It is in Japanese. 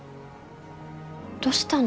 どしたの？